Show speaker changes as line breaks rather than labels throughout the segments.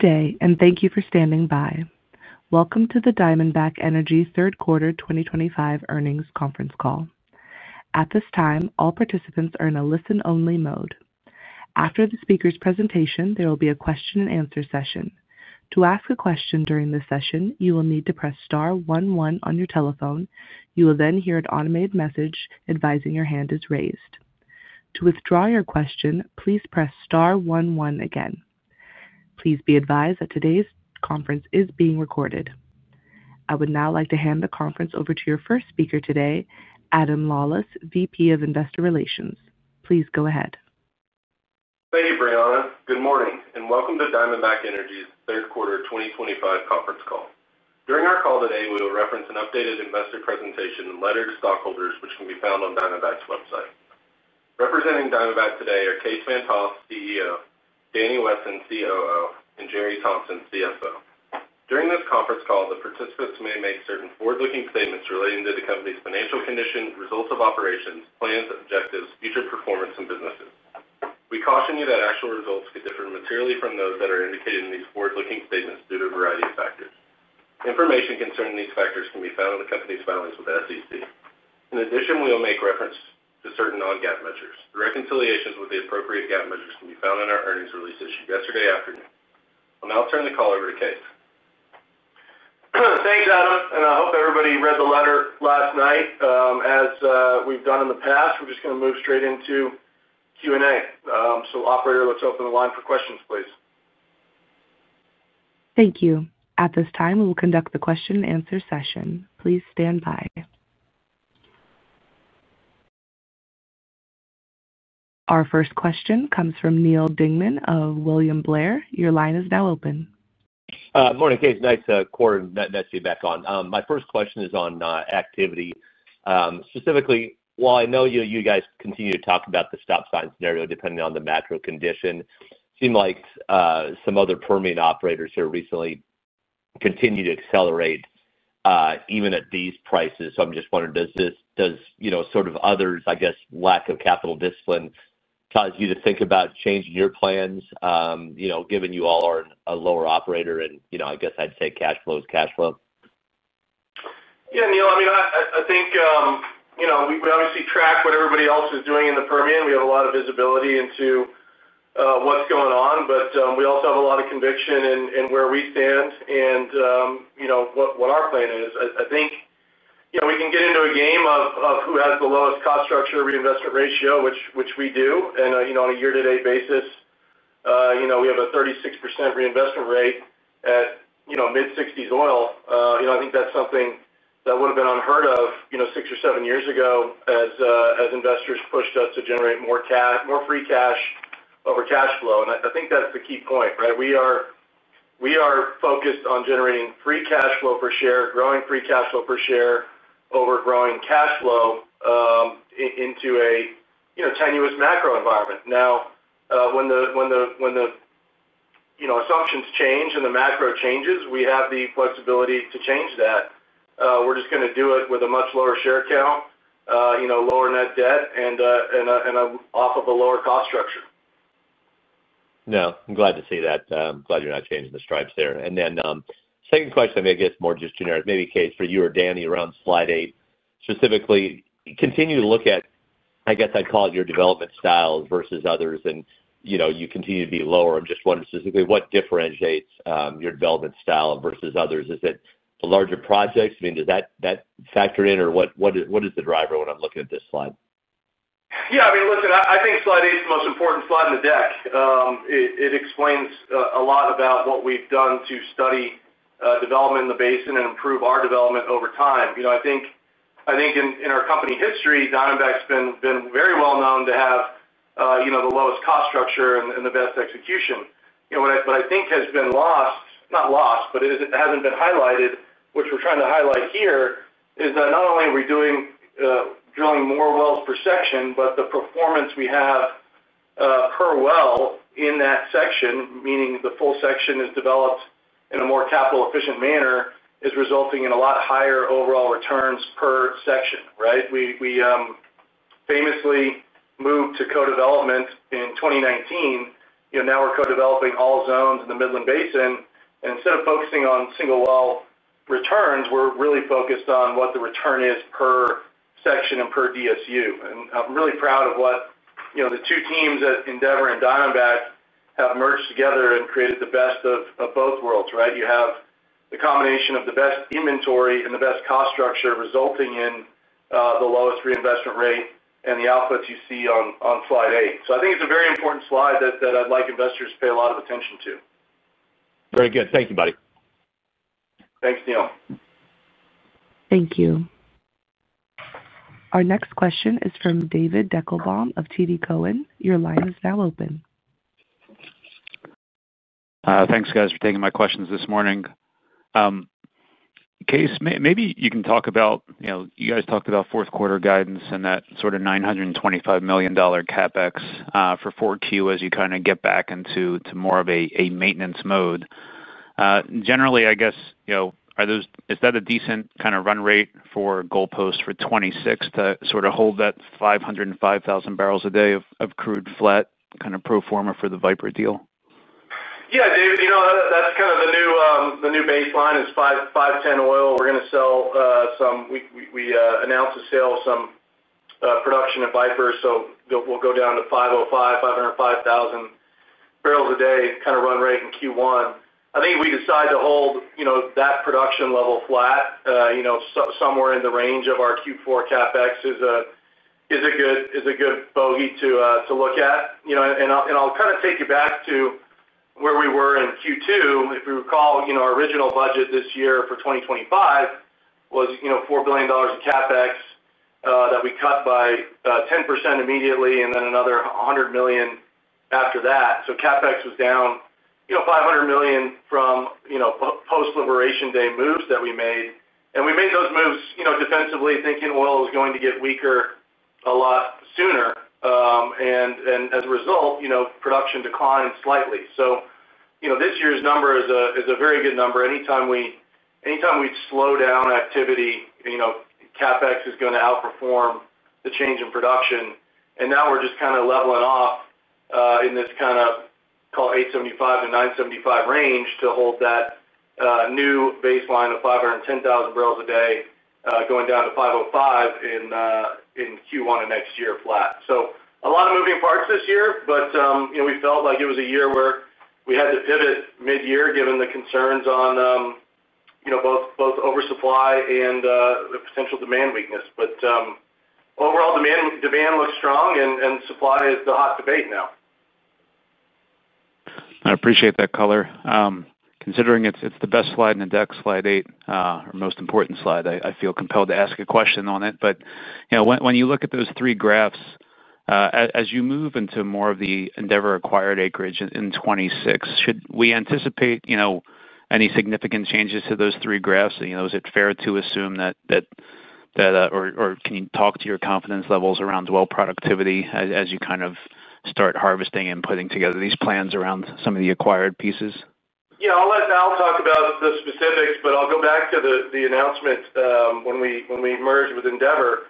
Good day, and thank you for standing by. Welcome to the Diamondback Energy third quarter 2025 earnings conference call. At this time, all participants are in a listen-only mode. After the speaker's presentation, there will be a question-and-answer session. To ask a question during this session, you will need to press star one one on your telephone. You will then hear an automated message advising your hand is raised. To withdraw your question, please press star one one again. Please be advised that today's conference is being recorded. I would now like to hand the conference over to your first speaker today, Adam Lawlis, VP of Investor Relations. Please go ahead.
Thank you, Briana. Good morning, and welcome to Diamondback Energy's third quarter 2025 conference call. During our call today, we will reference an updated investor presentation and letter to stockholders, which can be found on Diamondback's website. Representing Diamondback today are Kaes Van't Hof, CEO; Danny Wesson, COO; and Jere Thompson, CFO. During this conference call, the participants may make certain forward-looking statements relating to the company's financial condition, results of operations, plans, objectives, future performance, and businesses. We caution you that actual results could differ materially from those that are indicated in these forward-looking statements due to a variety of factors. Information concerning these factors can be found on the company's filings with SEC. In addition, we will make reference to certain non-GAAP measures. The reconciliations with the appropriate GAAP measures can be found in our earnings release issued yesterday afternoon. I'll now turn the call over to Kaes.
Thanks, Adam. And I hope everybody read the letter last night. As we've done in the past, we're just going to move straight into Q&A. So, operator, let's open the line for questions, please.
Thank you. At this time, we will conduct the question-and-answer session. Please stand by. Our first question comes from Neal Dingmann of William Blair. Your line is now open.
Morning, Kaes. Nice to have you back on. My first question is on activity. Specifically, while I know you guys continue to talk about the stop sign scenario depending on the macro condition, it seemed like some other Permian operators have recently continued to accelerate even at these prices. So I'm just wondering, does others', I guess, lack of capital discipline cause you to think about changing your plans, given you all are a low-cost operator? And I guess I'd say cash flow is cash flow.
Yeah, Neal. I mean, I think we obviously track what everybody else is doing in the permitting. We have a lot of visibility into what's going on, but we also have a lot of conviction in where we stand and what our plan is. I think we can get into a game of who has the lowest cost structure reinvestment ratio, which we do. And on a year-to-date basis we have a 36% reinvestment rate at mid-60s oil. I think that's something that would have been unheard of six or seven years ago as investors pushed us to generate more free cash over cash flow. And I think that's the key point, right? We are focused on generating free cash flow per share, growing free cash flow per share over growing cash flow into a tenuous macro environment. Now, when the assumptions change and the macro changes, we have the flexibility to change that. We're just going to do it with a much lower share count, lower net debt, and off of a lower cost structure.
No, I'm glad to see that. I'm glad you're not changing the stripes there. And then second question, I guess, more just generic, maybe, Kaes, for you or Danny around slide eight, specifically, continue to look at, I guess I'd call it your development styles versus others, and you continue to be lower. I'm just wondering specifically what differentiates your development style versus others. Is it the larger projects? I mean, does that factor in, or what is the driver when I'm looking at this slide?
Yeah. I mean, listen, I think slide eight's the most important slide in the deck. It explains a lot about what we've done to study development in the basin and improve our development over time. I think in our company history, Diamondback's been very well known to have the lowest cost structure and the best execution. What I think has been lost, not lost, but it hasn't been highlighted, which we're trying to highlight here, is that not only are we drilling more wells per section, but the performance we have per well in that section, meaning the full section is developed in a more capital-efficient manner, is resulting in a lot higher overall returns per section, right? We famously moved to co-development in 2019. Now we're co-developing all zones in the Midland Basin. And instead of focusing on single well returns, we're really focused on what the return is per section and per DSU. And I'm really proud of what the two teams at Endeavor and Diamondback have merged together and created the best of both worlds, right? You have the combination of the best inventory and the best cost structure resulting in the lowest reinvestment rate and the outputs you see on slide eight. So I think it's a very important slide that I'd like investors to pay a lot of attention to.
Very good. Thank you, buddy.
Thanks, Neal.
Thank you. Our next question is from David Deckelbaum of TD Cowen. Your line is now open.
Thanks, guys, for taking my questions this morning. Kaes, maybe you can talk about you guys talked about fourth quarter guidance and that sort of $925 million CapEx for 4Q as you kind of get back into more of a maintenance mode. Generally, I guess. Is that a decent kind of run rate for goalposts for 2026 to sort of hold that 505,000 bbl a day of crude flat kind of pro forma for the Viper deal?
Yeah, David, that's kind of the new baseline is 510 oil. We're going to sell some, we announced the sale of some production of Viper, so we'll go down to 505,000 bbl a day kind of run rate in Q1. I think if we decide to hold that production level flat, somewhere in the range of our Q4 CapEx is a good bogey to look at, and I'll kind of take you back to where we were in Q2. If you recall, our original budget this year for 2025 was $4 billion in CapEx that we cut by 10% immediately and then another $100 million after that. So CapEx was down $500 million from post-liberation day moves that we made, and we made those moves defensively, thinking oil was going to get weaker a lot sooner, and as a result, production declined slightly, so this year's number is a very good number. Anytime we slow down activity, CapEx is going to outperform the change in production, and now we're just kind of leveling off in this kind of $875 million-$975 million range to hold that new baseline of 510,000 bbl a day going down to 505 in Q1 of next year flat, so a lot of moving parts this year, but we felt like it was a year where we had to pivot mid-year given the concerns on both oversupply and the potential demand weakness, but overall, demand looks strong, and supply is the hot debate now.
I appreciate that color. Considering it's the best slide in the deck, slide eight, or most important slide, I feel compelled to ask a question on it. But when you look at those three graphs. As you move into more of the Endeavor acquired acreage in 2026, should we anticipate any significant changes to those three graphs? Is it fair to assume that. Or can you talk to your confidence levels around well productivity as you kind of start harvesting and putting together these plans around some of the acquired pieces?
Yeah, I'll talk about the specifics, but I'll go back to the announcement when we merged with Endeavor.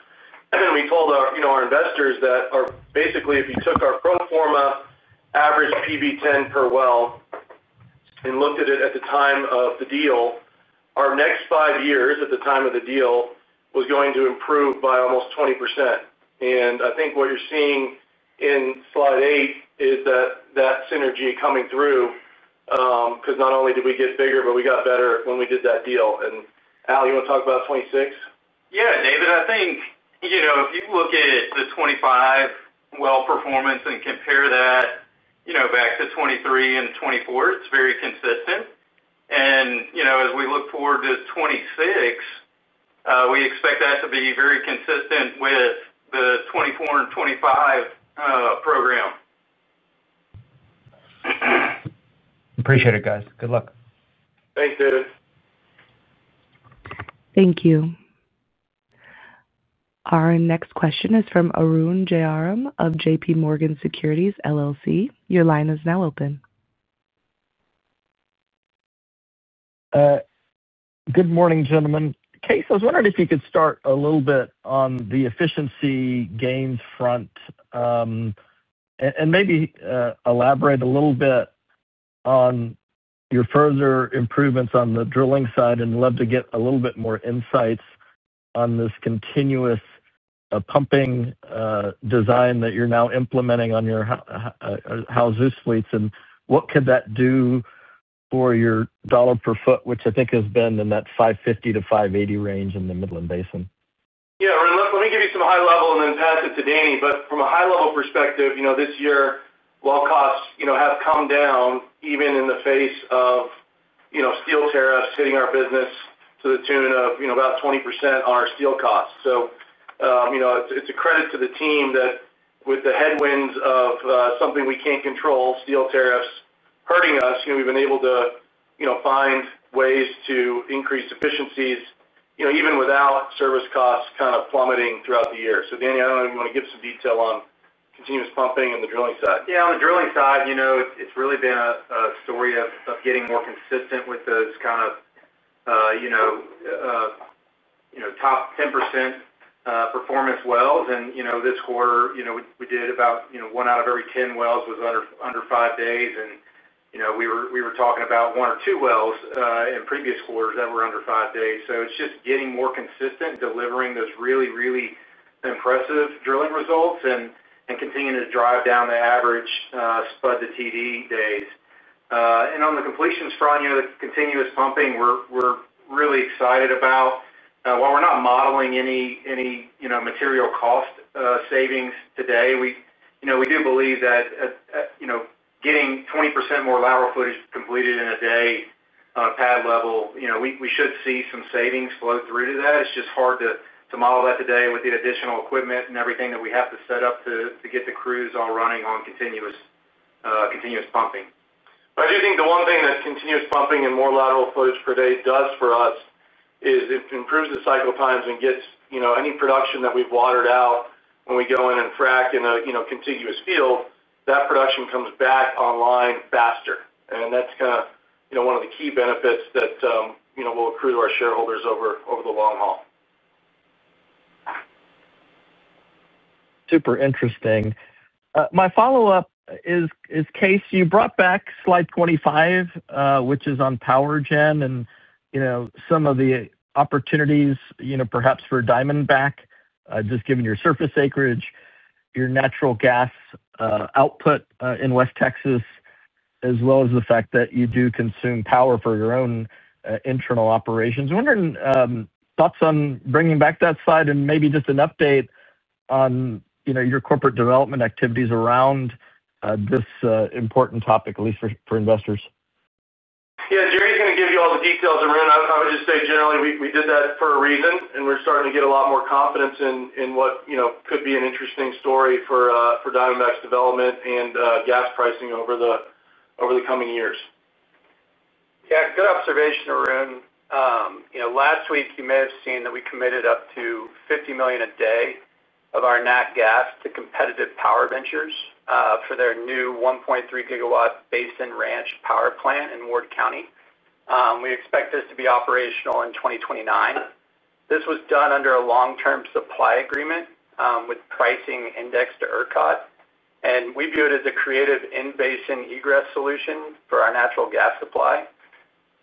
And we told our investors that basically, if you took our pro forma average PB 10 per well and looked at it at the time of the deal, our next five years at the time of the deal was going to improve by almost 20%. And I think what you're seeing in slide eight is that synergy coming through. Because not only did we get bigger, but we got better when we did that deal, and Al, you want to talk about 2026?
Yeah, David, I think if you look at the 2025 well performance and compare that back to 2023 and 2024, it's very consistent. And as we look forward to 2026, we expect that to be very consistent with the 2024 and 2025 program.
Appreciate it, guys. Good luck.
Thanks, David.
Thank you. Our next question is from Arun Jayaram of JPMorgan Securities LLC. Your line is now open.
Good morning, gentlemen. Kaes, I was wondering if you could start a little bit on the efficiency gains front. And maybe elaborate a little bit on your further improvements on the drilling side, and I'd love to get a little bit more insights on this continuous pumping design that you're now implementing on your frac fleets. And what could that do for your dollar per foot, which I think has been in that $550-$580 range in the Midland Basin?
Yeah, let me give you some high-level and then pass it to Danny. But from a high-level perspective, this year, well costs have come down even in the face of steel tariffs hitting our business to the tune of about 20% on our steel costs. So it's a credit to the team that with the headwinds of something we can't control, steel tariffs hurting us, we've been able to find ways to increase efficiencies even without service costs kind of plummeting throughout the year. So Danny, I don't know if you want to give some detail on continuous pumping and the drilling side.
Yeah, on the drilling side, it's really been a story of getting more consistent with those kind of top 10% performance wells. And this quarter, we did about one out of every 10 wells was under five days. And we were talking about one or two wells in previous quarters that were under five days. So it's just getting more consistent, delivering those really, really impressive drilling results, and continuing to drive down the average Spud-to-TD days. And on the completions front, the continuous pumping, we're really excited about. While we're not modeling any material cost savings today, we do believe that getting 20% more lateral footage completed in a day on a pad level, we should see some savings flow through to that. It's just hard to model that today with the additional equipment and everything that we have to set up to get the crews all running on continuous pumping.
I do think the one thing that continuous pumping and more lateral footage per day does for us is it improves the cycle times and gets any production that we've watered out when we go in and frack in a continuous field, that production comes back online faster. And that's kind of one of the key benefits that will accrue to our shareholders over the long haul.
Super interesting. My follow-up is, Kaes, you brought back slide 25, which is on power gen and some of the opportunities perhaps for Diamondback, just given your surface acreage, your natural gas output in West Texas, as well as the fact that you do consume power for your own internal operations. I'm wondering, thoughts on bringing back that slide and maybe just an update on your corporate development activities around this important topic, at least for investors.
Yeah, Jere's going to give you all the details, Arun. I would just say, generally, we did that for a reason, and we're starting to get a lot more confidence in what could be an interesting story for Diamondback's development and gas pricing over the coming years.
Yeah, good observation, Arun. Last week, you may have seen that we committed up to 50 MMcf/d of our nat gas to Competitive Power Ventures for their new 1.3 GW Basin Ranch power plant in Ward County. We expect this to be operational in 2029. This was done under a long-term supply agreement with pricing indexed to ERCOT, and we view it as a creative in-basin egress solution for our natural gas supply,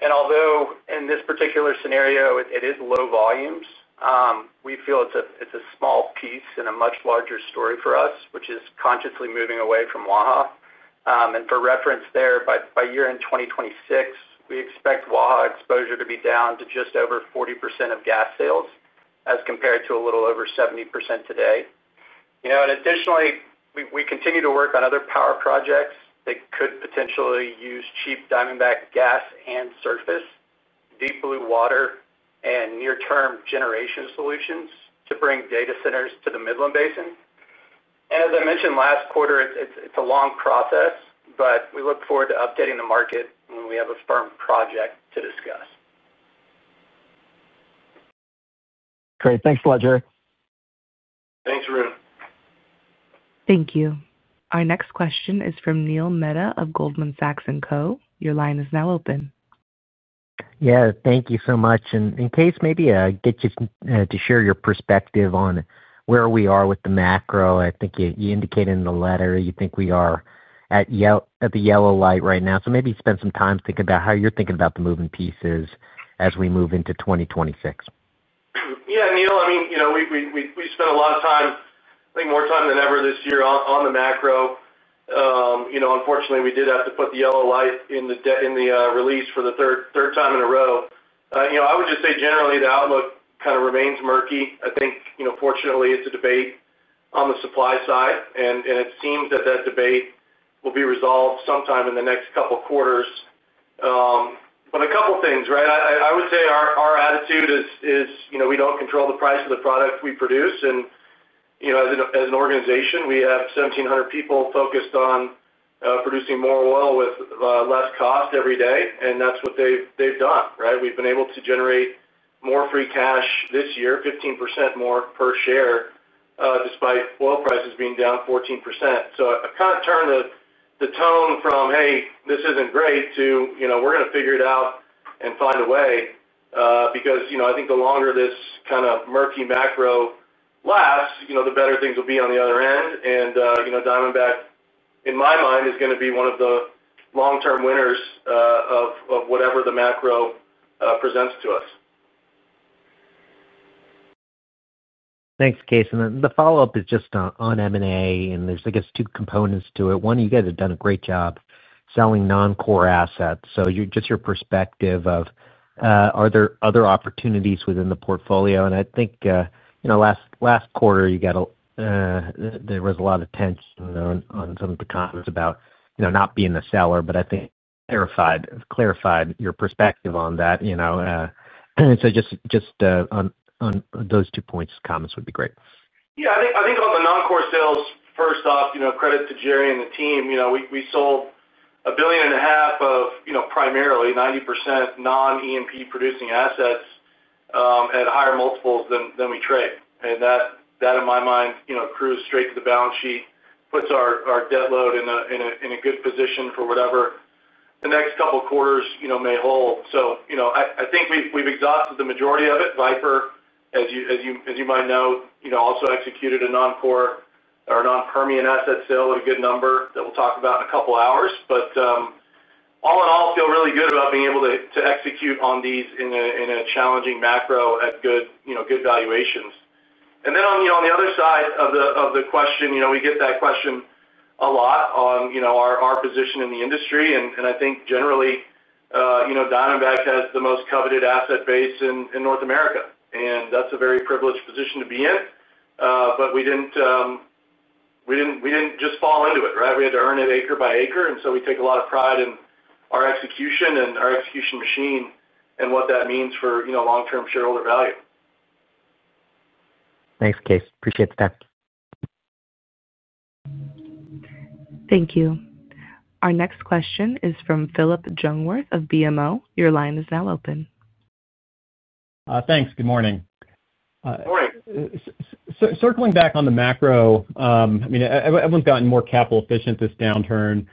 and although in this particular scenario, it is low volumes, we feel it's a small piece in a much larger story for us, which is consciously moving away from Waha, and for reference there, by year-end 2026, we expect Waha exposure to be down to just over 40% of gas sales as compared to a little over 70% today, and additionally, we continue to work on other power projects that could potentially use cheap Diamondback gas and surface, deep blue water, and near-term generation solutions to bring data centers to the Midland Basin, and as I mentioned, last quarter, it's a long process, but we look forward to updating the market when we have a firm project to discuss.
Great. Thanks a lot, Jere.
Thank you. Our next question is from Neil Mehta of Goldman Sachs & Co. Your line is now open.
Yeah, thank you so much. And Kaes, maybe get you to share your perspective on where we are with the macro. I think you indicated in the letter you think we are at the yellow light right now. So maybe spend some time thinking about how you're thinking about the moving pieces as we move into 2026.
Yeah, Neil, I mean, we spent a lot of time, I think more time than ever this year on the macro. Unfortunately, we did have to put the yellow light in the release for the third time in a row. I would just say, generally, the outlook kind of remains murky. I think, fortunately, it's a debate on the supply side. And it seems that that debate will be resolved sometime in the next couple of quarters. But a couple of things, right? I would say our attitude is we don't control the price of the product we produce. And as an organization, we have 1,700 people focused on producing more oil with less cost every day. And that's what they've done, right? We've been able to generate more free cash this year, 15% more per share, despite oil prices being down 14%. So I kind of turned the tone from, "Hey, this isn't great," to, "We're going to figure it out and find a way." Because I think the longer this kind of murky macro lasts, the better things will be on the other end. And Diamondback, in my mind, is going to be one of the long-term winners of whatever the macro presents to us.
Thanks, Kaes. And the follow-up is just on M&A, and there's, I guess, two components to it. One, you guys have done a great job selling non-core assets. So just your perspective of. Are there other opportunities within the portfolio? And I think. Last quarter, you got. There was a lot of tension on some of the comments about not being a seller, but I think clarified your perspective on that. So just. On those two points, comments would be great.
Yeah, I think on the non-core sales, first off, credit to Jere and the team. We sold $1.5 billion of primarily 90% non-EMP producing assets at higher multiples than we trade. And that, in my mind, accrues straight to the balance sheet, puts our debt load in a good position for whatever the next couple of quarters may hold. So I think we've exhausted the majority of it. Viper, as you might know, also executed a non-core or non-Permian asset sale with a good number that we'll talk about in a couple of hours. But all in all, I feel really good about being able to execute on these in a challenging macro at good valuations. And then on the other side of the question, we get that question a lot on our position in the industry. And I think, generally, Diamondback has the most coveted asset base in North America. And that's a very privileged position to be in. But we didn't just fall into it, right? We had to earn it acre by acre. And so we take a lot of pride in our execution and our execution machine and what that means for long-term shareholder value.
Thanks, Kaes. Appreciate the time.
Thank you. Our next question is from Phillip Jungwirth of BMO. Your line is now open.
Thanks. Good morning.
Morning.
Circling back on the macro, I mean, everyone's gotten more capital efficient this downturn.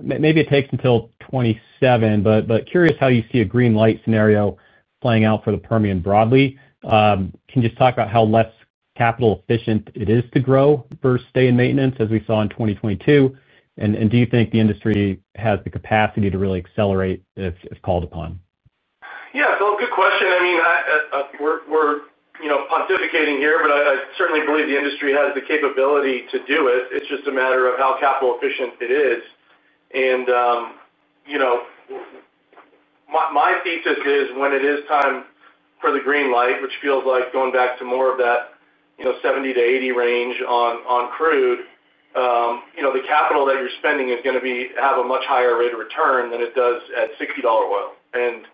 Maybe it takes until 2027, but curious how you see a green light scenario playing out for the Permian broadly. Can you just talk about how less capital efficient it is to grow versus stay in maintenance as we saw in 2022? And do you think the industry has the capacity to really accelerate if called upon?
Yeah, well, good question. I mean. We're pontificating here, but I certainly believe the industry has the capability to do it. It's just a matter of how capital efficient it is. And. My thesis is when it is time for the green light, which feels like going back to more of that 70-80 range on crude, the capital that you're spending is going to have a much higher rate of return than it does at $60 oil. And.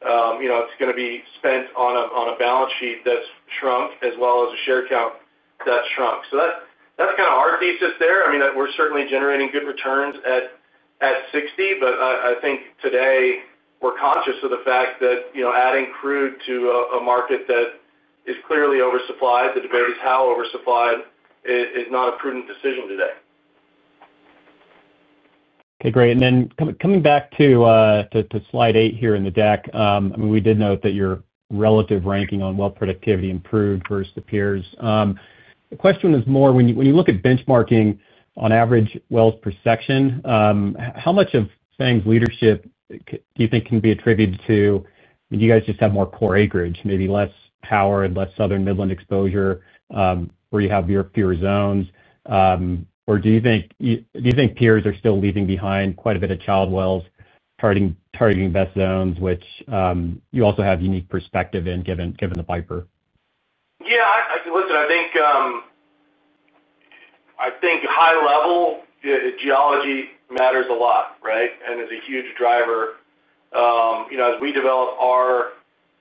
It's going to be spent on a balance sheet that's shrunk as well as a share count that's shrunk. So that's kind of our thesis there. I mean, we're certainly generating good returns at 60, but I think today we're conscious of the fact that adding crude to a market that is clearly oversupplied, the debate is how oversupplied is not a prudent decision today.
Okay, great. And then coming back to slide 8 here in the deck, I mean, we did note that your relative ranking on well productivity improved versus peers. The question is more, when you look at benchmarking on average wells per section, how much of FANG's leadership do you think can be attributed to, I mean, do you guys just have more core acreage, maybe less Powder and less southern Midland exposure where you have your fewer zones? Or do you think peers are still leaving behind quite a bit of child wells targeting best zones, which you also have unique perspective in given the Viper?
Yeah, listen, I think high-level geology matters a lot, right? And is a huge driver. As we develop our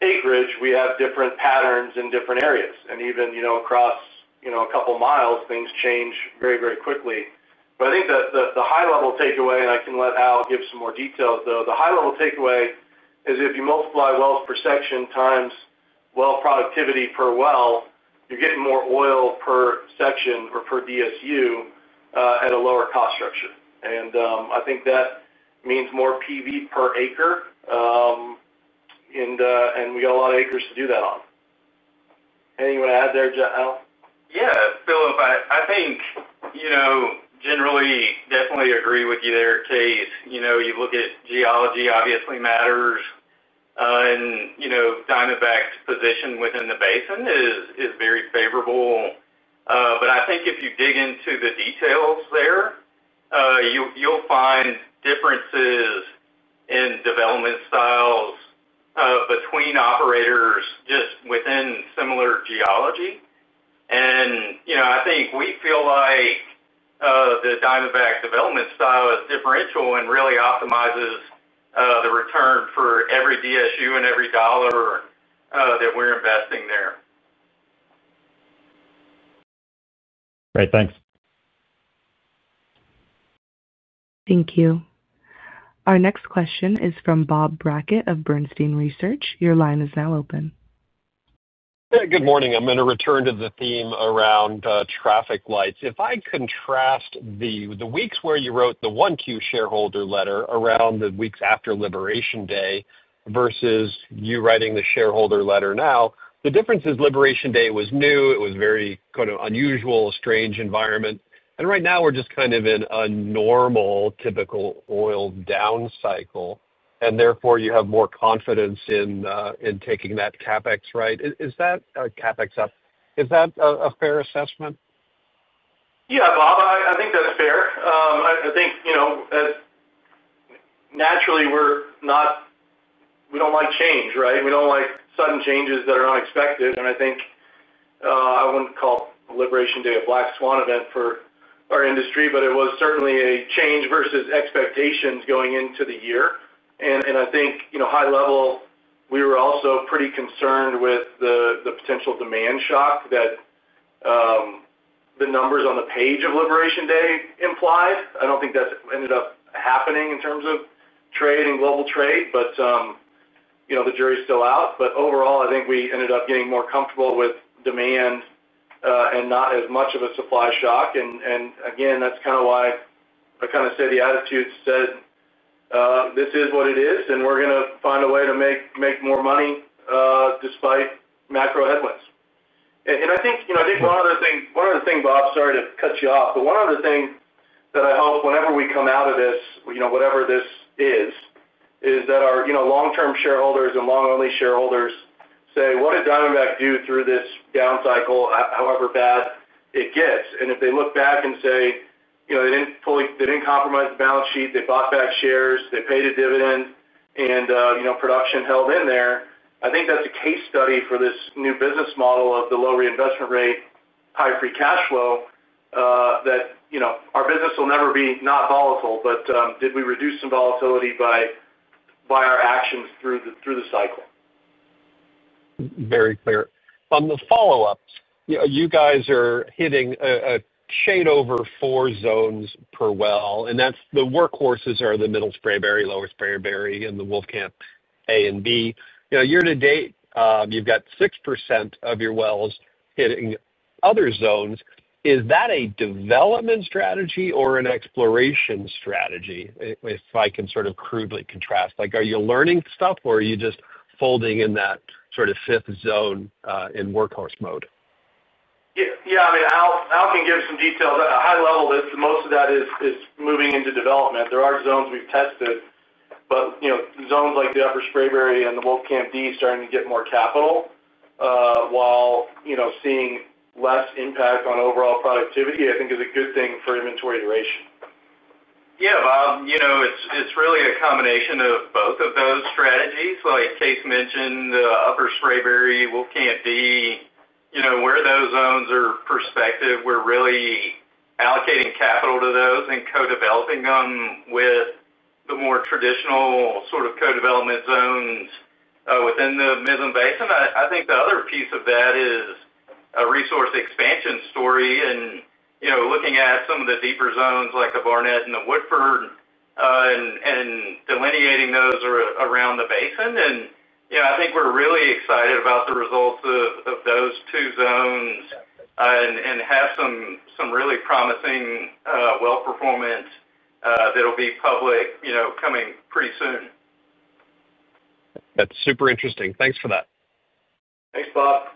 acreage, we have different patterns in different areas. And even across a couple of miles, things change very, very quickly. But I think the high-level takeaway, and I can let Al give some more details, though. The high-level takeaway is if you multiply wells per section times well productivity per well, you're getting more oil per section or per DSU at a lower cost structure. And I think that means more PV per acre. And we got a lot of acres to do that on. Anything you want to add there, Al? Yeah, Phillip, I think generally definitely agree with you there, Case. You look at geology obviously matters. And Diamondback's position within the basin is very favorable. But I think if you dig into the details there, you'll find differences in development styles between operators just within similar geology. And I think we feel like the Diamondback development style is differential and really optimizes the return for every DSU and every dollar that we're investing there.
Great, thanks.
Thank you. Our next question is from Bob Brackett of Bernstein Research. Your line is now open.
Good morning. I'm going to return to the theme around traffic lights. If I contrast the weeks where you wrote the Q1 shareholder letter around the weeks after Liberation Day versus you writing the shareholder letter now, the difference is Liberation Day was new. It was very kind of unusual, strange environment. And right now, we're just kind of in a normal typical oil down cycle. And therefore, you have more confidence in taking that CapEx, right? Is that a CapEx up? Is that a fair assessment?
Yeah, Bob, I think that's fair. I think naturally we don't like change, right? We don't like sudden changes that are unexpected. I wouldn't call Liberation Day a black swan event for our industry, but it was certainly a change versus expectations going into the year. High-level, we were also pretty concerned with the potential demand shock that the numbers on the page of Liberation Day implied. I don't think that ended up happening in terms of trade and global trade, but the jury's still out. Overall, I think we ended up getting more comfortable with demand and not as much of a supply shock. Again, that's kind of why I kind of said the attitude said, "This is what it is, and we're going to find a way to make more money despite macro headwinds." One other thing, Bob, sorry to cut you off, but one other thing that I hope whenever we come out of this, whatever this is, is that our long-term shareholders and long-only shareholders say, "What did Diamondback do through this down cycle, however bad it gets?" If they look back and say, "They didn't compromise the balance sheet, they bought back shares, they paid a dividend, and production held in there," I think that's a case study for this new business model of the low reinvestment rate, high free cash flow. Our business will never be not volatile, but did we reduce some volatility by our actions through the cycle?
Very clear. On the follow-up, you guys are hitting a shade over four zones per well. And that's the workhorses are the Middle Spraberry, Lower Spraberry, and the Wolfcamp A/B. Year to date, you've got 6% of your wells hitting other zones. Is that a development strategy or an exploration strategy, if I can sort of crudely contrast? Are you learning stuff, or are you just folding in that sort of fifth zone in workhorse mode?
Yeah, I mean, Al can give some details. At a high level, most of that is moving into development. There are zones we've tested, but zones like the Upper Spraberry and the Wolfcamp D starting to get more capital. While seeing less impact on overall productivity, I think is a good thing for inventory duration. Yeah, Bob, it's really a combination of both of those strategies. Like Case mentioned, the Upper Spraberry, Wolfcamp D, where those zones are prospective, we're really allocating capital to those and co-developing them with the more traditional sort of co-development zones within the Midland Basin. I think the other piece of that is a resource expansion story and looking at some of the deeper zones like the Barnett and the Woodford, and delineating those around the basin, and I think we're really excited about the results of those two zones and have some really promising well performance that'll be public coming pretty soon.
That's super interesting. Thanks for that.
Thanks, Bob.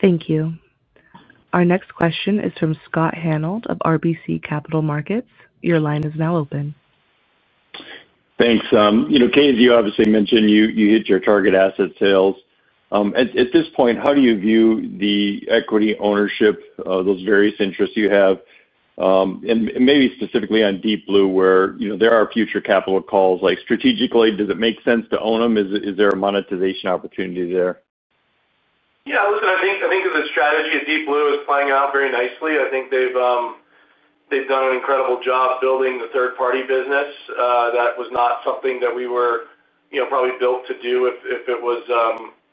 Thank you. Our next question is from Scott Hanold of RBC Capital Markets. Your line is now open.
Thanks. Kaes, you obviously mentioned you hit your target asset sales. At this point, how do you view the equity ownership, those various interests you have? And maybe specifically on Deep Blue, where there are future capital calls? Like strategically, does it make sense to own them? Is there a monetization opportunity there?
Yeah, listen, I think the strategy of Deep Blue is playing out very nicely. I think they've done an incredible job building the third-party business. That was not something that we were probably built to do if it was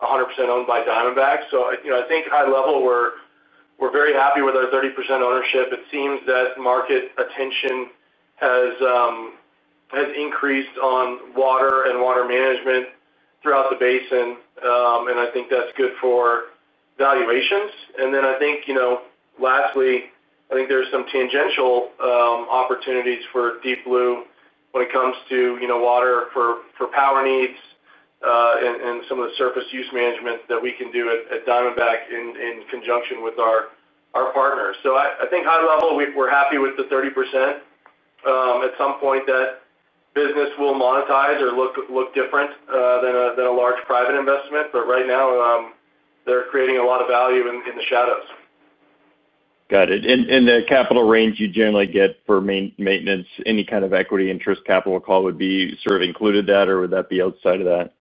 100% owned by Diamondback. So I think high-level, we're very happy with our 30% ownership. It seems that market attention has increased on water and water management throughout the basin. And I think that's good for valuations. And then I think lastly, I think there's some tangential opportunities for Deep Blue when it comes to water for power needs. And some of the surface use management that we can do at Diamondback in conjunction with our partners. So I think high-level, we're happy with the 30%. At some point that business will monetize or look different than a large private investment. But right now they're creating a lot of value in the shadows.
Got it. And the capital range you generally get for maintenance, any kind of equity interest capital call would be sort of included in that, or would that be outside of that?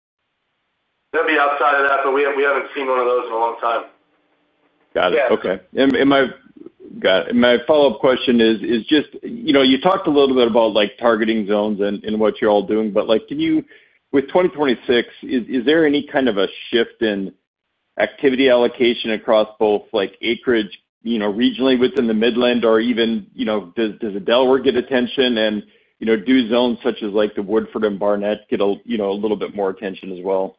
That'd be outside of that, but we haven't seen one of those in a long time.
Got it. Okay. And. My follow-up question is just you talked a little bit about targeting zones and what you're all doing, but with 2026, is there any kind of a shift in activity allocation across both acreage regionally within the Midland or even? Does the Delaware get attention? And do zones such as the Woodford and Barnett get a little bit more attention as well?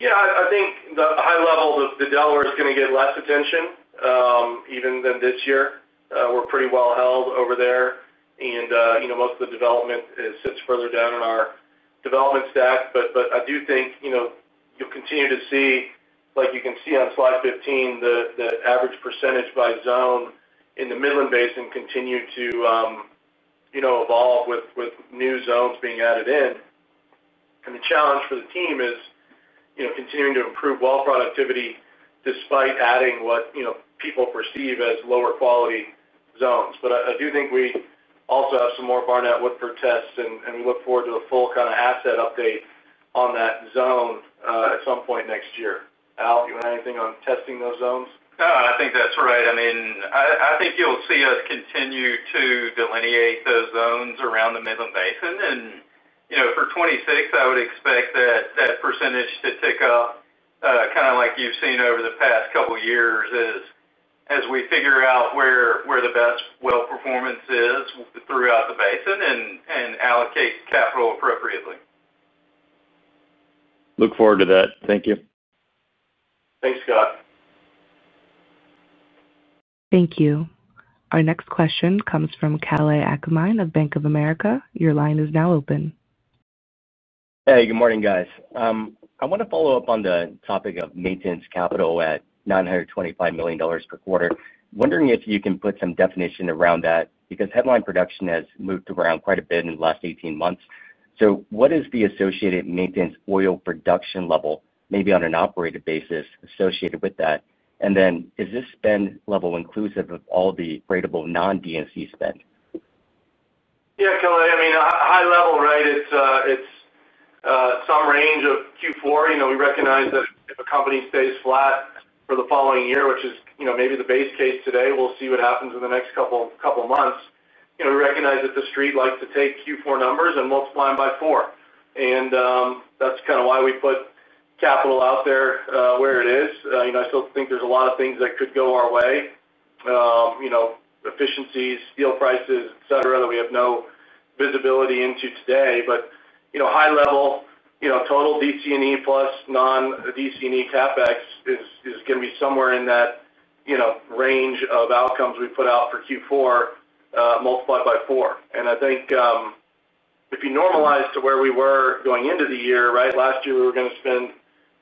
Yeah, I think the high-level, the Delaware Basin is going to get less attention even than this year. We're pretty well held over there, and most of the development sits further down in our development stack, but I do think you'll continue to see, like you can see on slide 15, the average percentage by zone in the Midland Basin continue to evolve with new zones being added in, and the challenge for the team is continuing to improve well productivity despite adding what people perceive as lower quality zones, but I do think we also have some more Barnett Woodford tests, and we look forward to a full kind of asset update on that zone at some point next year. Al, do you want to add anything on testing those zones?
No, I think that's right. I mean, I think you'll see us continue to delineate those zones around the Midland Basin. And for 2026, I would expect that percentage to tick up kind of like you've seen over the past couple of years as we figure out where the best well performance is throughout the basin and allocate capital appropriately.
Look forward to that. Thank you.
Thanks, Scott.
Thank you. Our next question comes from Kalei Akamai of Bank of America. Your line is now open.
Hey, good morning, guys. I want to follow up on the topic of maintenance capital at $925 million per quarter. Wondering if you can put some definition around that because headline production has moved around quite a bit in the last 18 months. So what is the associated maintenance oil production level, maybe on an operator basis, associated with that? And then is this spend level inclusive of all the tradable non-DNC spend?
Yeah, Kalei, I mean, high-level, right? It's some range of Q4. We recognize that if a company stays flat for the following year, which is maybe the base case today, we'll see what happens in the next couple of months. We recognize that the street likes to take Q4 numbers and multiply them by four. And that's kind of why we put capital out there where it is. I still think there's a lot of things that could go our way. Efficiencies, steel prices, et cetera, that we have no visibility into today. But high-level, total DC&E plus non-DC&E CapEx is going to be somewhere in that range of outcomes we put out for Q4, multiplied by four. And I think if you normalize to where we were going into the year, right, last year we were going to spend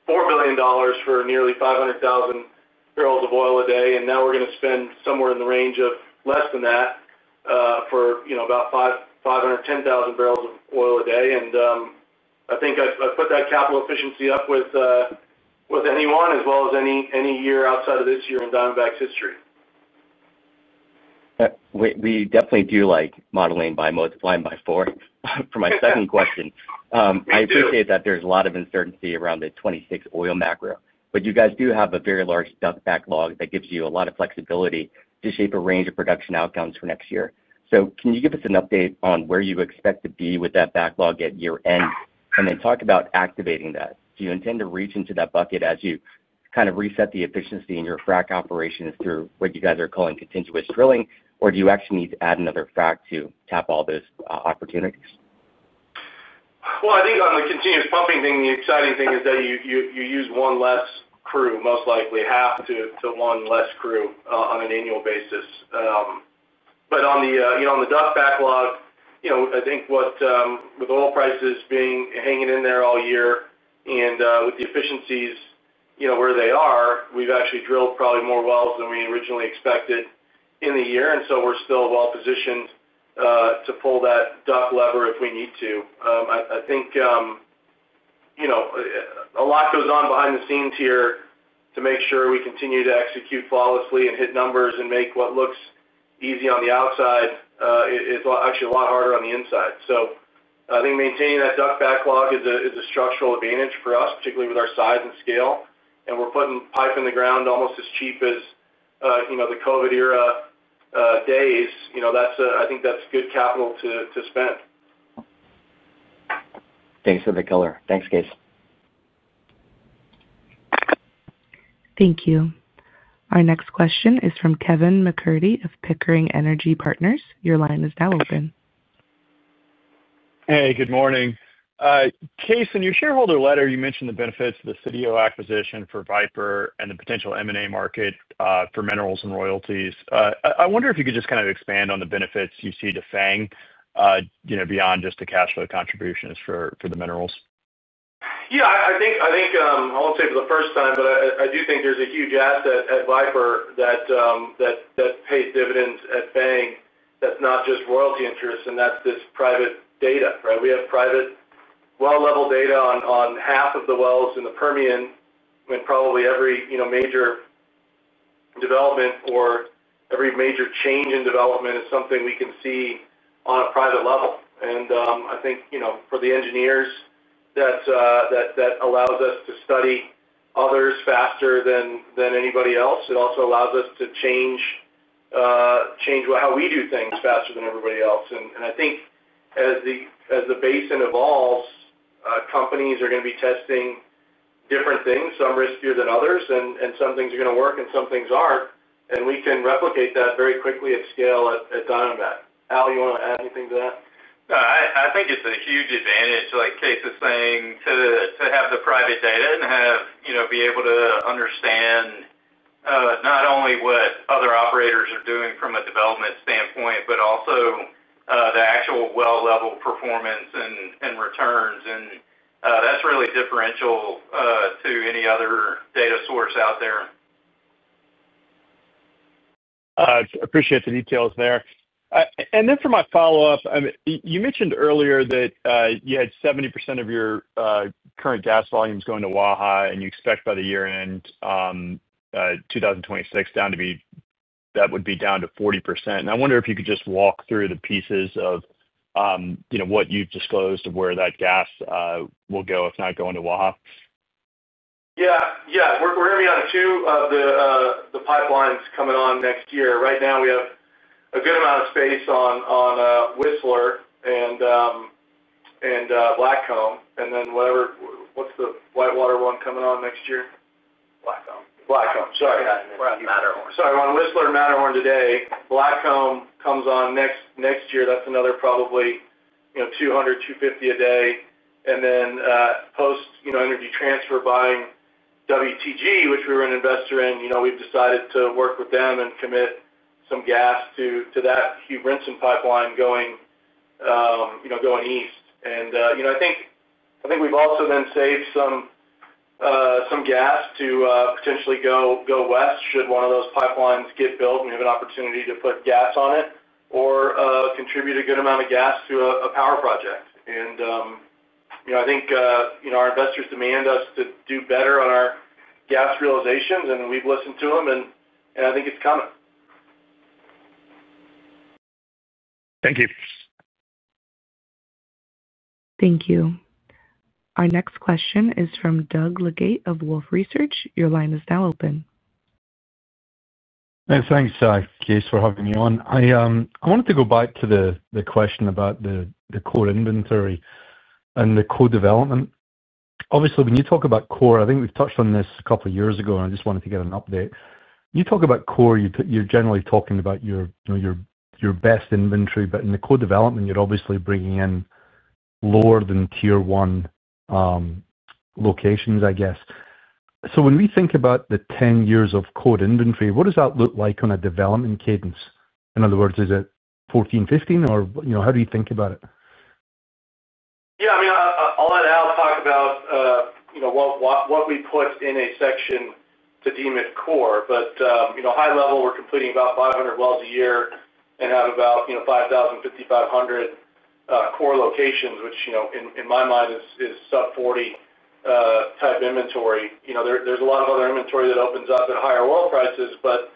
$4 billion for nearly 500,000 bbl of oil a day. And now we're going to spend somewhere in the range of less than that for about 510,000 bbl of oil a day. And I think I've put that capital efficiency up with anyone as well as any year outside of this year in Diamondback's history.
We definitely do like modeling by multiplying by four. For my second question, I appreciate that there's a lot of uncertainty around the 2026 oil macro. But you guys do have a very large DUC backlog that gives you a lot of flexibility to shape a range of production outcomes for next year. So can you give us an update on where you expect to be with that backlog at year end? And then talk about activating that. Do you intend to reach into that bucket as you kind of reset the efficiency in your frac operations through what you guys are calling continuous pumping, or do you actually need to add another frac to tap all those opportunities?
I think on the continuous pumping thing, the exciting thing is that you use one less crew, most likely half to one less crew on an annual basis. But on the DUC backlog, I think with oil prices hanging in there all year and with the efficiencies where they are, we've actually drilled probably more wells than we originally expected in the year. And so we're still well positioned to pull that DUC lever if we need to. I think. A lot goes on behind the scenes here to make sure we continue to execute flawlessly and hit numbers and make what looks easy on the outside. It's actually a lot harder on the inside. So I think maintaining that DUC backlog is a structural advantage for us, particularly with our size and scale. And we're putting pipe in the ground almost as cheap as the COVID-era days. I think that's good capital to spend.
Thanks for the color. Thanks, Kaes.
Thank you. Our next question is from Kevin McCurdy of Pickering Energy Partners. Your line is now open.
Hey, good morning. Kaes, in your shareholder letter, you mentioned the benefits of the Sitio acquisition for Viper and the potential M&A market for minerals and royalties. I wonder if you could just kind of expand on the benefits you see to FANG. Beyond just the cash flow contributions for the minerals.
Yeah, I think I won't say for the first time, but I do think there's a huge asset at Viper that pays dividends at FANG that's not just royalty interests. And that's this private data, right? We have private well-level data on half of the wells in the Permian. And probably every major development or every major change in development is something we can see on a private level. And I think for the engineers, that allows us to study others faster than anybody else. It also allows us to change how we do things faster than everybody else. And I think as the basin evolves, companies are going to be testing different things, some riskier than others, and some things are going to work and some things aren't. And we can replicate that very quickly at scale at Diamondback. Al, you want to add anything to that?
I think it's a huge advantage, like Case was saying, to have the private data and be able to understand not only what other operators are doing from a development standpoint, but also the actual well-level performance and returns. And that's really differential to any other data source out there.
Appreciate the details there. And then for my follow-up, you mentioned earlier that you had 70% of your current gas volumes going to Waha, and you expect by the year end 2026, that would be down to 40%. And I wonder if you could just walk through the pieces of what you've disclosed of where that gas will go, if not going to Waha.
Yeah, yeah. We're going to be on two of the pipelines coming on next year. Right now, we have a good amount of space on Whistler and Blackcomb. And then what's the White Water one coming on next year? Blackcomb. Sorry. Sorry. On Whistler and Matterhorn today. Blackcomb comes on next year. That's another probably 200-250 a day. And then post-Energy Transfer buying WTG, which we were an investor in, we've decided to work with them and commit some gas to that Hugh Brinson Pipeline going east. I think we've also then saved some gas to potentially go west should one of those pipelines get built. We have an opportunity to put gas on it or contribute a good amount of gas to a power project. I think our investors demand us to do better on our gas realizations, and we've listened to them, and I think it's coming.
Thank you.
Thank you. Our next question is from Doug Leggate of Wolfe Research. Your line is now open.
Thanks, Kaes, for having me on. I wanted to go back to the question about the core inventory and the core development. Obviously, when you talk about core, I think we've touched on this a couple of years ago, and I just wanted to get an update. When you talk about core, you're generally talking about your best inventory, but in the core development, you're obviously bringing in lower than tier one locations, I guess. So when we think about the 10 years of core inventory, what does that look like on a development cadence? In other words, is it 14, 15? Or how do you think about it?
Yeah, I mean, I'll let Al talk about what we put in a section to deem it core. But high-level, we're completing about 500 wells a year and have about 5,000-5,500 core locations, which in my mind is sub-40-type inventory. There's a lot of other inventory that opens up at higher oil prices, but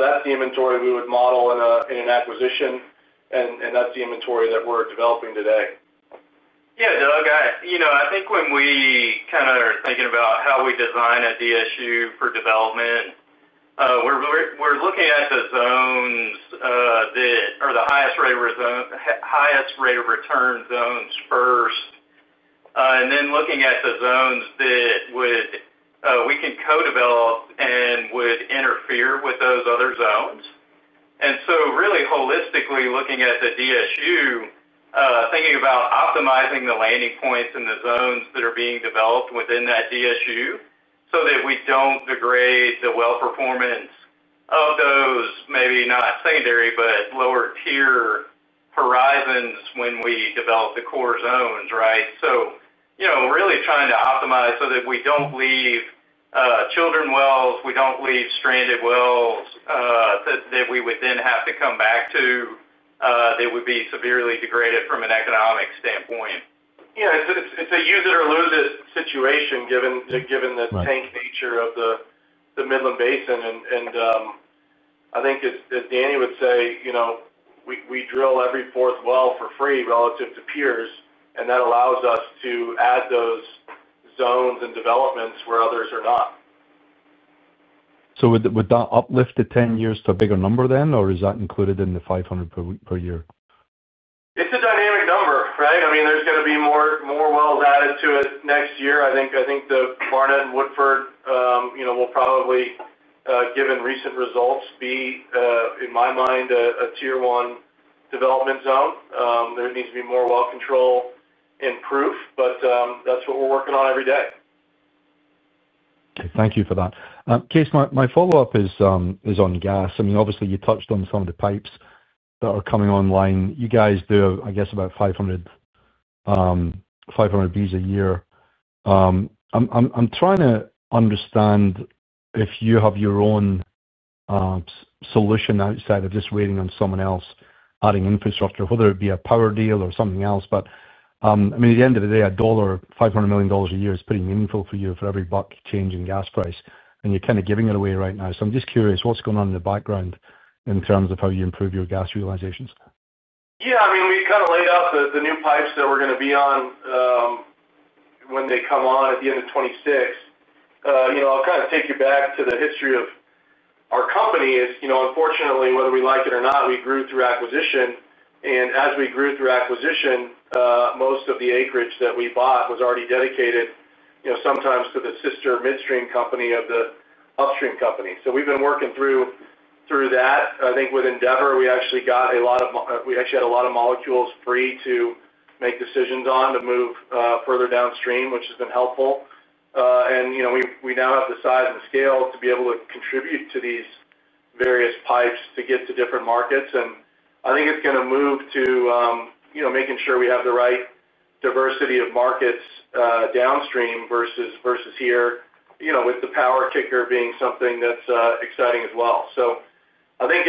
that's the inventory we would model in an acquisition, and that's the inventory that we're developing today.
Yeah, Doug, I think when we kind of are thinking about how we design a DSU for development, we're looking at the zones that are the highest rate of return zones first. And then looking at the zones that we can co-develop and would interfere with those other zones. And so really holistically looking at the DSU, thinking about optimizing the landing points and the zones that are being developed within that DSU so that we don't degrade the well performance of those, maybe not secondary, but lower tier horizons when we develop the core zones, right? So really trying to optimize so that we don't leave child wells, we don't leave stranded wells that we would then have to come back to that would be severely degraded from an economic standpoint.
Yeah, it's a use it or lose it situation given the stacked nature of the Midland Basin. And I think, as Danny would say, we drill every fourth well for free relative to peers, and that allows us to add those zones and developments where others are not.
So would that uplift the 10 years to a bigger number then, or is that included in the 500 per year?
It's a dynamic number, right? I mean, there's going to be more wells added to it next year. I think the Barnett and Woodford will probably, given recent results, be in my mind a tier one development zone. There needs to be more well control and proof, but that's what we're working on every day.
Thank you for that. Kaes, my follow-up is on gas. I mean, obviously, you touched on some of the pipes that are coming online. You guys do, I guess, about 500 BCF a year. I'm trying to understand if you have your own solution outside of just waiting on someone else adding infrastructure, whether it be a power deal or something else. But I mean, at the end of the day, $500 million a year is pretty meaningful for you for every buck changing gas price, and you're kind of giving it away right now. So I'm just curious what's going on in the background in terms of how you improve your gas realizations.
Yeah, I mean, we kind of laid out the new pipes that we're going to be on when they come on at the end of 2026. I'll kind of take you back to the history of our company. Unfortunately, whether we like it or not, we grew through acquisition. And as we grew through acquisition, most of the acreage that we bought was already dedicated sometimes to the sister midstream company of the upstream company. So we've been working through that. I think with Endeavor, we actually had a lot of molecules free to make decisions on to move further downstream, which has been helpful. And we now have the size and scale to be able to contribute to these various pipes to get to different markets. And I think it's going to move to making sure we have the right diversity of markets downstream versus here with the power kicker being something that's exciting as well. So I think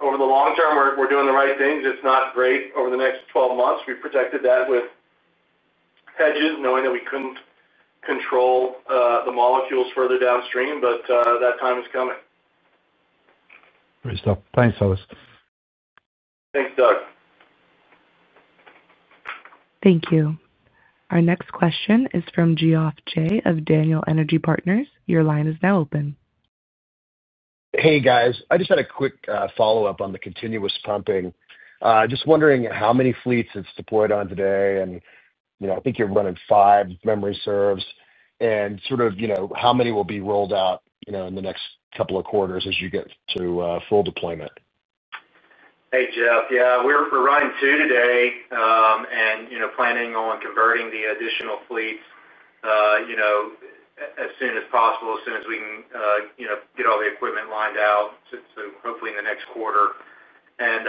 over the long-term, we're doing the right things. It's not great over the next 12 months. We protected that with hedges, knowing that we couldn't control the molecules further downstream, but that time is coming.
Great stuff. Thanks, Kaes.
Thanks, Doug.
Thank you. Our next question is from Geoff Jay of Daniel Energy Partners. Your line is now open.
Hey, guys. I just had a quick follow-up on the continuous pumping. Just wondering how many fleets it's deployed on today. And I think you're running five, if memory serves. And sort of how many will be rolled out in the next couple of quarters as you get to full deployment?
Hey, Geoff. Yeah, we're running two today and planning on converting the additional fleets as soon as possible, as soon as we can get all the equipment lined out, so hopefully in the next quarter, and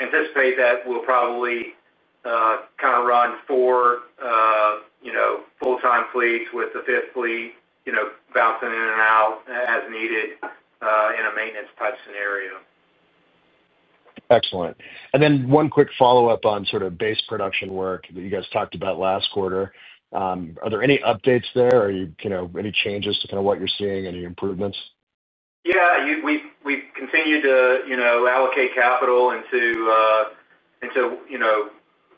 anticipate that we'll probably kind of run four full-time fleets with the fifth fleet bouncing in and out as needed in a maintenance-type scenario.
Excellent. And then one quick follow-up on sort of base production work that you guys talked about last quarter. Are there any updates there? Are there any changes to kind of what you're seeing, any improvements?
Yeah, we've continued to allocate capital into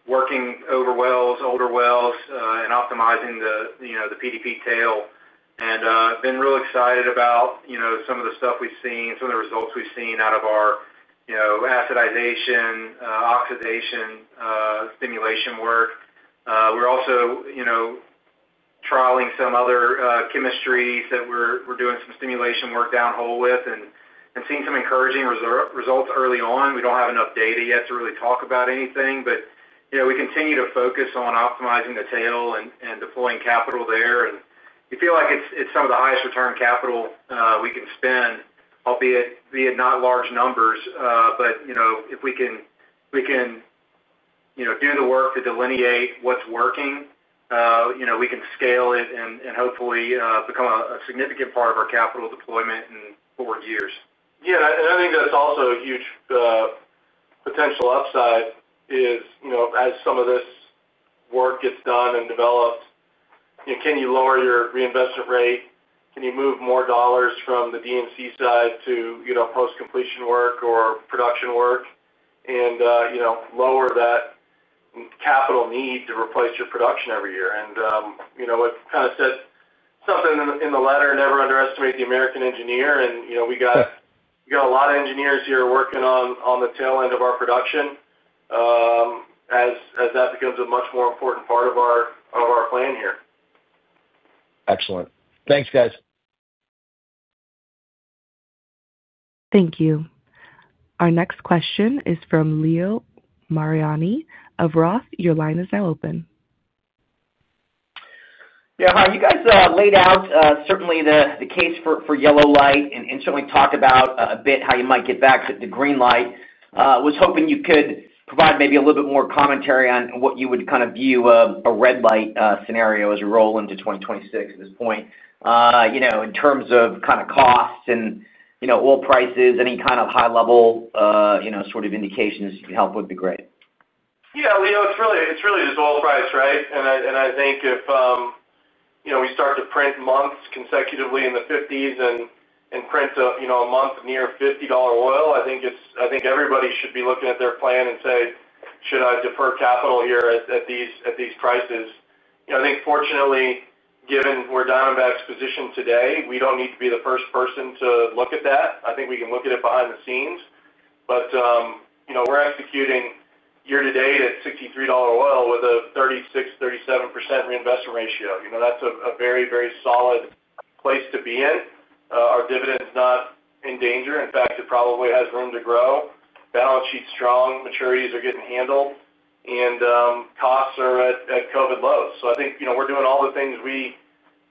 working over wells, older wells, and optimizing the PDP tail, and been real excited about some of the stuff we've seen, some of the results we've seen out of our acidization, oxidation stimulation work. We're also trialing some other chemistries that we're doing some stimulation work downhole with and seeing some encouraging results early on. We don't have enough data yet to really talk about anything, but we continue to focus on optimizing the tail and deploying capital there. And we feel like it's some of the highest return capital we can spend, albeit not large numbers. But if we can do the work to delineate what's working, we can scale it and hopefully become a significant part of our capital deployment in four years. Yeah, and I think that's also a huge potential upside is as some of this work gets done and developed. Can you lower your reinvestment rate? Can you move more dollars from the D&C side to post-completion work or production work and lower that capital need to replace your production every year? I kind of said something in the letter, never underestimate the American engineer. We got a lot of engineers here working on the tail end of our production. As that becomes a much more important part of our plan here.
Excellent. Thanks, guys.
Thank you. Our next question is from Leo Mariani of Roth. Your line is now open.
Yeah, hi. You guys laid out certainly the case for yellow light and certainly talked about a bit how you might get back to the green light. I was hoping you could provide maybe a little bit more commentary on what you would kind of view a red light scenario as we roll into 2026 at this point. In terms of kind of costs and oil prices, any kind of high-level sort of indications you can help would be great.
Yeah, Leo, it's really just oil price, right? And I think if we start to print months consecutively in the 50s and print a month near $50 oil, I think everybody should be looking at their plan and say, "Should I defer capital here at these prices?" I think, fortunately, given where Diamondback's position today, we don't need to be the first person to look at that. I think we can look at it behind the scenes. But we're executing year to date at $63 oil with a 36%-37% reinvestment ratio. That's a very, very solid place to be in. Our dividend is not in danger. In fact, it probably has room to grow. Balance sheet's strong. Maturities are getting handled. And costs are at COVID lows. So I think we're doing all the things we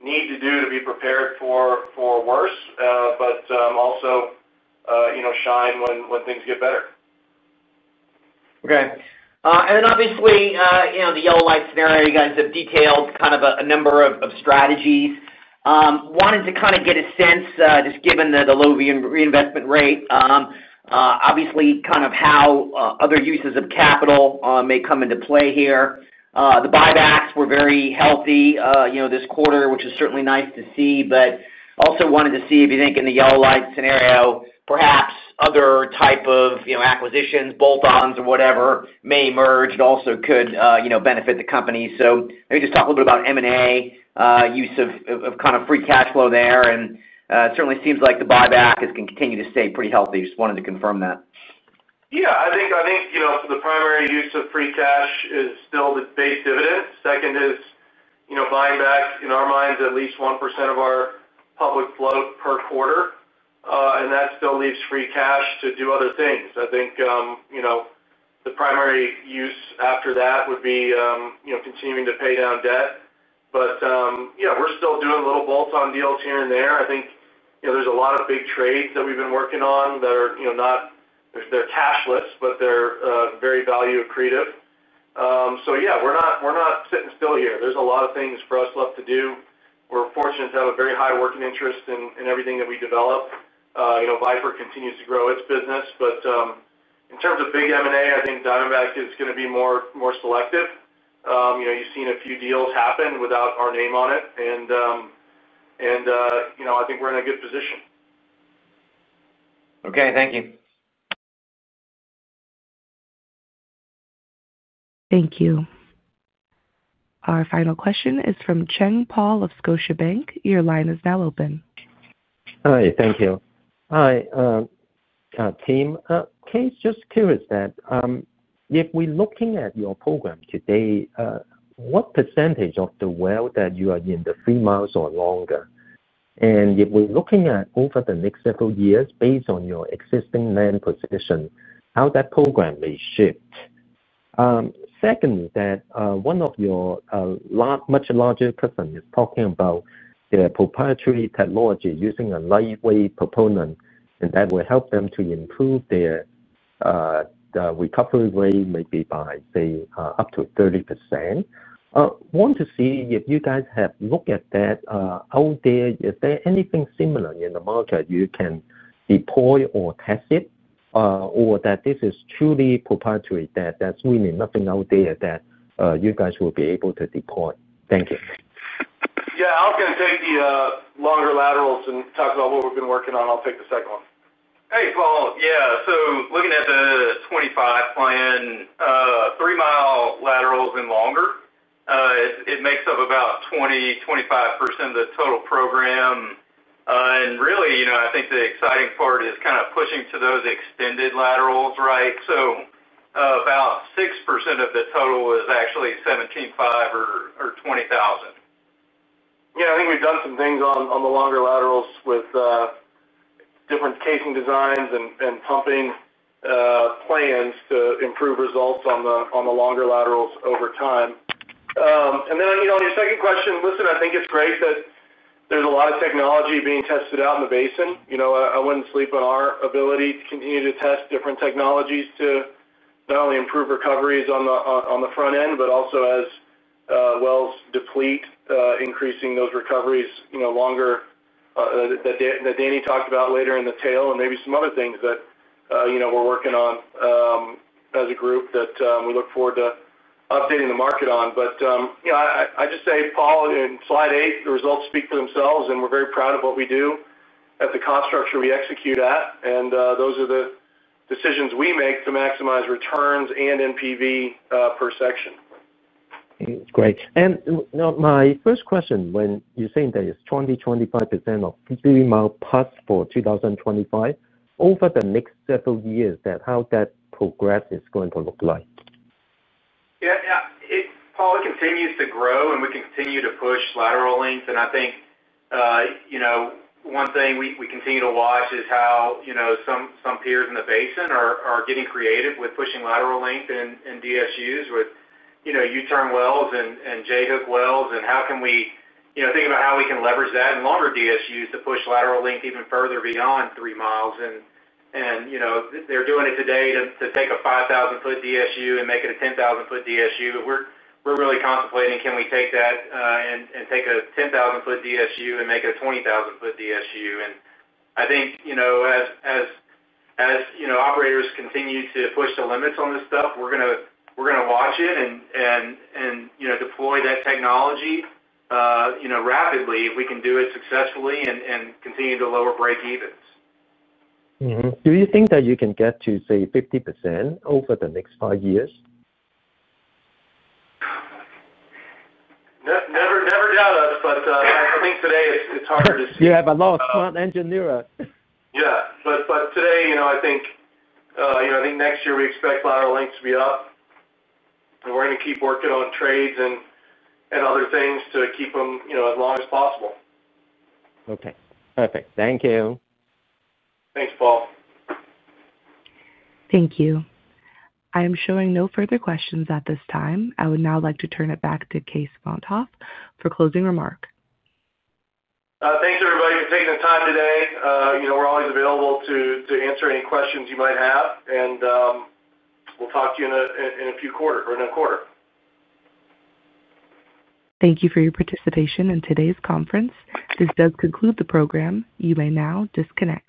need to do to be prepared for worse, but also shine when things get better.
Okay, and then obviously, the yellow light scenario, you guys have detailed kind of a number of strategies. Wanted to kind of get a sense, just given the low reinvestment rate. Obviously, kind of how other uses of capital may come into play here. The buybacks were very healthy this quarter, which is certainly nice to see, but also wanted to see if you think in the yellow light scenario, perhaps other type of acquisitions, bolt-ons or whatever may emerge and also could benefit the company, so maybe just talk a little bit about M&A use of kind of free cash flow there, and it certainly seems like the buyback can continue to stay pretty healthy. Just wanted to confirm that.
Yeah, I think the primary use of free cash is still the base dividend. Second is buying back, in our minds, at least 1% of our public float per quarter. And that still leaves free cash to do other things. I think, the primary use after that would be continuing to pay down debt. But yeah, we're still doing little bolt-on deals here and there. I think there's a lot of big trades that we've been working on that are not. They're cashless, but they're very value accretive. So yeah, we're not sitting still here. There's a lot of things for us left to do. We're fortunate to have a very high working interest in everything that we develop. Viper continues to grow its business. But in terms of big M&A, I think Diamondback is going to be more selective. You've seen a few deals happen without our name on it. And, I think we're in a good position.
Okay, thank you.
Thank you. Our final question is from Paul Cheng of Scotiabank. Your line is now open.
Hi, thank you. Hi. Kaes, just curious. That if we're looking at your program today, what percentage of the wells that you are in, the three miles or longer? And if we're looking at over the next several years based on your existing land position, how that program may shift. Secondly, that one of your much larger customers is talking about their proprietary technology using a lightweight proppant, and that will help them to improve their recovery rate maybe by, say, up to 30%. I want to know if you guys have looked at that out there. Is there anything similar in the market you can deploy or test? Or that this is truly proprietary that there's really nothing out there that you guys will be able to deploy? Thank you.
Yeah, I'll kind of take the longer laterals and talk about what we've been working on. I'll take the second one. Hey, Paul. Yeah, so looking at the 25 plan. Three mile laterals and longer. It makes up about 20%-25% of the total program. And really, I think the exciting part is kind of pushing to those extended laterals, right? So. About 6% of the total is actually 17,500 or 20,000. Yeah, I think we've done some things on the longer laterals with different casing designs and pumping plans to improve results on the longer laterals over time. And then on your second question, listen, I think it's great that there's a lot of technology being tested out in the basin. I wouldn't sleep on our ability to continue to test different technologies to not only improve recoveries on the front end, but also as wells deplete, increasing those recoveries longer. That Danny talked about later in the tail, and maybe some other things that we're working on as a group that we look forward to updating the market on. But I just say, Paul, in slide eight, the results speak for themselves, and we're very proud of what we do at the cost structure we execute at. And those are the decisions we make to maximize returns and NPV per section.
Great. And my first question, when you're saying that it's 20%-25% of three-mile plus for 2025, over the next several years, how that progress is going to look like?
Yeah, yeah. Paul continues to grow, and we can continue to push lateral length, and I think one thing we continue to watch is how some peers in the basin are getting creative with pushing lateral length and DSUs with U-turn wells and J-hook wells, and how can we think about how we can leverage that in longer DSUs to push lateral length even further beyond three miles, and they're doing it today to take a 5,000-foot DSU and make it a 10,000-foot DSU, but we're really contemplating, can we take that and take a 10,000-foot DSU and make it a 20,000-foot DSU, and I think as operators continue to push the limits on this stuff, we're going to watch it and deploy that technology rapidly if we can do it successfully and continue to lower breakevens.
Do you think that you can get to, say, 50% over the next five years?
Never doubt us, but I think today it's harder to see.
You have a lot of front-end generation.
Yeah. But today, I think. Next year we expect lateral lengths to be up. And we're going to keep working on trades and other things to keep them as long as possible.
Okay. Perfect. Thank you.
Thanks, Paul.
Thank you. I am showing no further questions at this time. I would now like to turn it back to Kaes Van't Hof for closing remark.
Thanks, everybody, for taking the time today. We're always available to answer any questions you might have. And we'll talk to you in a few quarters or in a quarter.
Thank you for your participation in today's conference. This does conclude the program. You may now disconnect.